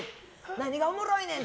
何がおもろいねん！